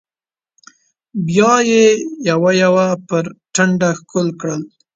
بيا يې يو يو پر ټنډه ښکل کړل.